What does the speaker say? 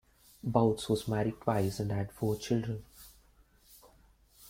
Bouts was married twice and had four children.